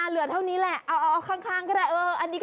เหลือเท่านี้แหละเอาข้างก็ได้